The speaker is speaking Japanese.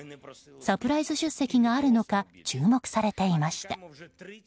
サプライズ出席があるのか注目されていました。